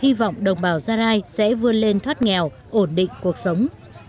hy vọng đồng bào gia rai sẽ vươn lên thoát nghèo ổn định cuộc sống